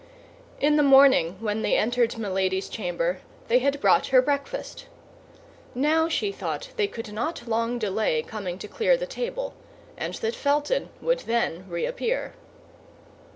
In the morning, when they entered Milady's chamber they had brought her breakfast. Now, she thought, they could not long delay coming to clear the table, and that Felton would then reappear.